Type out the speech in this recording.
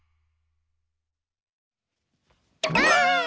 ばあっ！